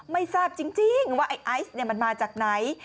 ไม่ทราบจริงว่าไอศ์เนี่ยมันมาจากไหน